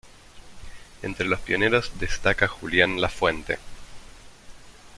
Entre los pioneros destaca Julián Lafuente.